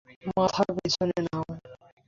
মাথা পেছনে নাও।